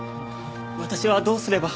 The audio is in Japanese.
私はどうすれば？